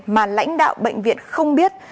mà lãnh đạo bệnh viện không biết